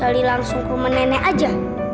kali langsung ke rumah nenek aja